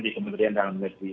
di kementerian dalam negeri